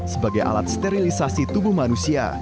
sebagai alat sterilisasi tubuh manusia